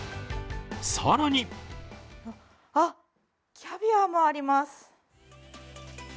更にあっ、キャビアもあります。